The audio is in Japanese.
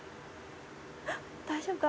大丈夫か？